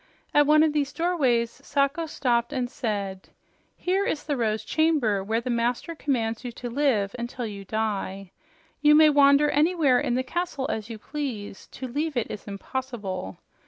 At one of these doorways Sacho stopped and said, "Here is the Rose Chamber where the master commands you to live until you die. You may wander anywhere in the castle as you please; to leave it is impossible.